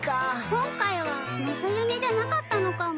今回は正夢じゃなかったのかも。